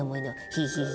ヒヒヒ。